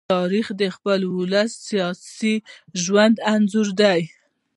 تاریخ د خپل ولس د سیاسي ژوند انځور دی.